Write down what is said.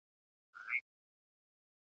د تور منځ کي د دانو په غونډولو ..